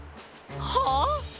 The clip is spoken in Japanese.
はあ！？